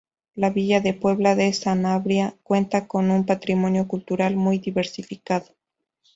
La villa de Puebla de Sanabria cuenta con un patrimonio cultural muy diversificado.